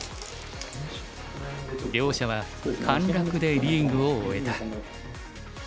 両者は陥落でリーグを終えた。